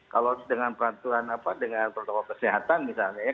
kalau dengan peraturan apa dengan protokol kesehatan misalnya ya